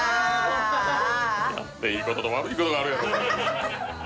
やっていいことと悪いことがあるよ